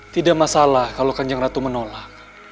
tidak masalah kalau kanjeng ratu menolak